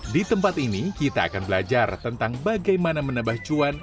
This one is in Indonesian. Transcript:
di tempat ini kita akan belajar tentang bagaimana menambah cuan